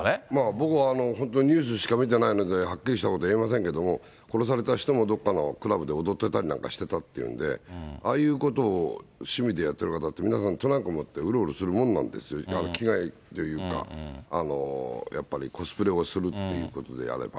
僕は本当、ニュースしか見てないので、はっきりとしたことは言えませんけれども、殺された人もどっかのクラブで踊ってたりなんかしてたっていうんで、ああいうことを趣味でやってられる方、皆さん、トランク持ってうろうろするもんなんですよ、着替えというか、やっぱりコスプレをするということであれば。